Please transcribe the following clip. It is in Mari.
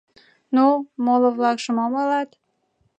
— Ну, моло-влакше мом ойлат?